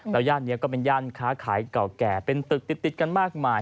แล้วย่านนี้ก็เป็นย่านค้าขายเก่าแก่เป็นตึกติดกันมากมาย